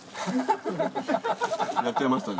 やっちゃいましたね。